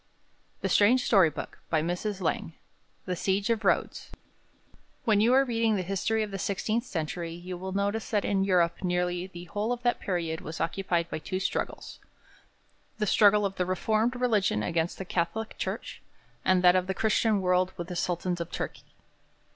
[Illustration: 'HERE,' SAID A VOICE] THE SIEGE OF RHODES When you are reading the history of the sixteenth century, you will notice that in Europe nearly the whole of that period was occupied by two struggles: the struggle of the Reformed religion against the Catholic Church, and that of the Christian world with the Sultans of Turkey.